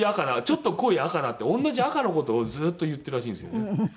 ちょっと濃い赤だって同じ赤の事をずっと言ってるらしいんですよね。